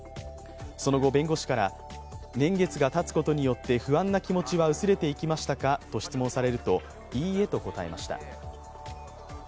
その後、弁護士から年月がたつことによって不安な気持ちは薄れていきましたかと質問されると、いいえと答えました。